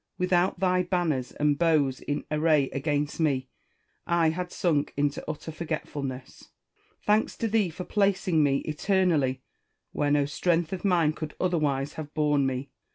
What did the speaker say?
Without thy banners and bows in array against me, I had sunk into utter forgetfulness. Thanks to thee for placing me, eternally, where no strength of mine could otherwise have borne me